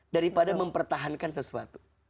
daripada mempertahankan sesuatu